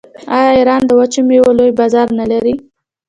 آیا ایران د وچو میوو لوی بازار نلري؟